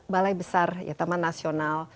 balai besar taman nasional